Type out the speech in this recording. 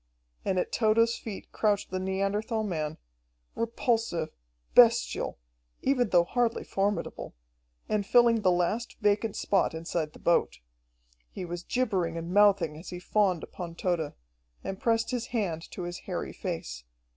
And at Tode's feet crouched the Neanderthal man, repulsive, bestial, even though hardly formidable, and filling the last vacant spot inside the boat. He was gibbering and mouthing as he fawned upon Tode and pressed his hand to his hairy face.